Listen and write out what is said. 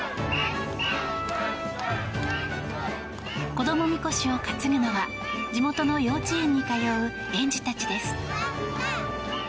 子供みこしを担ぐのは地元の幼稚園に通う園児たちです。